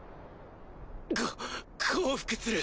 こ降伏する！